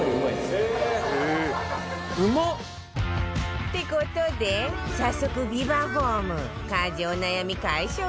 って事で早速ビバホーム家事お悩み解消グッズ